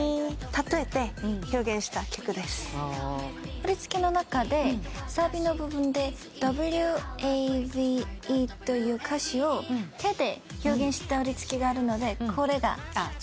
振り付けの中でサビの部分で「Ｗ」「Ａ」「Ｖ」「Ｅ」という歌詞を手で表現した振り付けがあるのでこれが注目ポイントです。